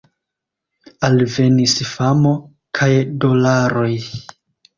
Alvenis famo, kaj dolaroj.